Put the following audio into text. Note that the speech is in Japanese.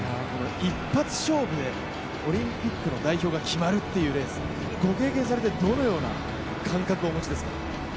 一発勝負でオリンピックの代表が決まるっていうレース、ご経験されてどのような感覚をお持ちですか？